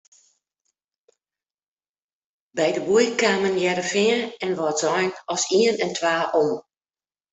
By de boei kamen Hearrenfean en Wâldsein as ien en twa om.